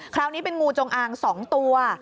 คราวนี้เป็นงูจงอาง๒ตัว